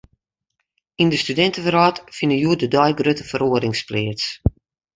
Yn de studintewrâld fine hjoed-de-dei grutte feroarings pleats.